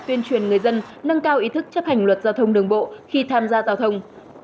tuyên truyền người dân nâng cao ý thức chấp hành luật giao thông đường bộ khi tham gia giao thông